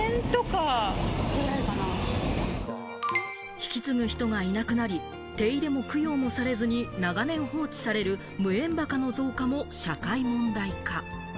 引き継ぐ人がいなくなり、手入れも供養もされずに長年放置される、無縁墓の増加も社会問題化。